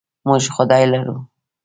موږ خدای لرو.